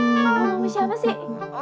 kamu ngomong siapa sih